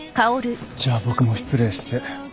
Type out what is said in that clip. じゃあ僕も失礼して。